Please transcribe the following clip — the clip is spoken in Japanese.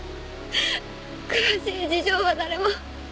詳しい事情は誰も。